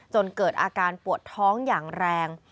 จนเกิดอาการปวดท้องอย่างแรง